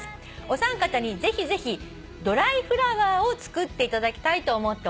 「お三方にぜひぜひドライフラワーを作っていただきたいと思っております」